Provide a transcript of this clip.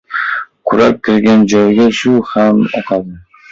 • Kurak kirgan joyga suv ham oqadi.